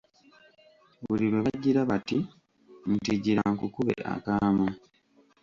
Buli lwebagira bati, nti, "gira nkukube akaama."